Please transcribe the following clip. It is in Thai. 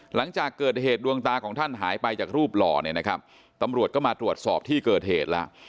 หลังจากเกิดเหตุดวงตาของท่านหายไปจากรูปหล่อเนี่ยนะครับตำรวจก็มาตรวจสอบที่เกิดเหตุแล้ว